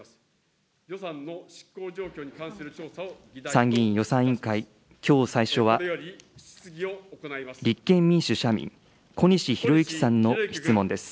参議院予算委員会、きょう最初は、立憲民主・社民、小西洋之さんの質問です。